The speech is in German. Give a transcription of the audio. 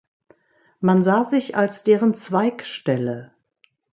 Man sah sich als deren Zweigstelle.